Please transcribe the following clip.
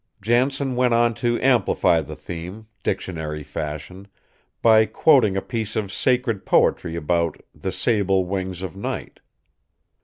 Jansen went on to amplify the theme, dictionary fashion, by quoting a piece of sacred poetry about "the sable wings of night."